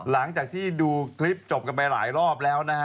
หลังจากที่ดูคลิปจบกันไปหลายรอบแล้วนะฮะ